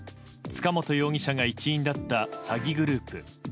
塚本容疑者が一員だった詐欺グループ。